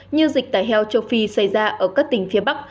như dịch tài heo châu phi xảy ra ở các tỉnh phía bắc